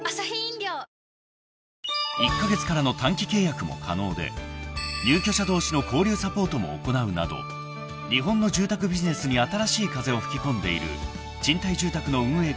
［１カ月からの短期契約も可能で入居者同士の交流サポートも行うなど日本の住宅ビジネスに新しい風を吹き込んでいる賃貸住宅の運営会社